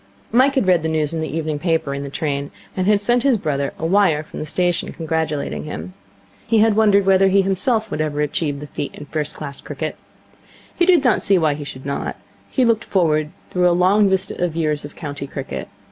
Mike had read the news in the evening paper in the train, and had sent his brother a wire from the station, congratulating him. He had wondered whether he himself would ever achieve the feat in first class cricket. He did not see why he should not. He looked forward through a long vista of years of county cricket.